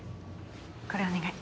これお願い。